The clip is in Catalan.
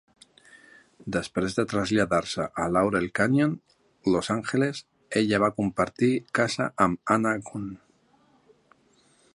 Després de traslladar-se a Laurel Canyon, Los Angeles, ella va compartir casa amb Anna Gunn.